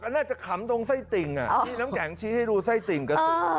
น่าจะขำตรงไส้ติ่งที่น้ำแข็งชี้ให้ดูไส้ติ่งกระสือ